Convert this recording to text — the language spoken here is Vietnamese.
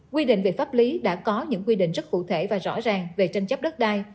quy định về pháp lý đã có những quy định rất cụ thể và rõ ràng về tranh chấp đất đai